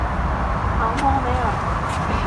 昂邦维尔。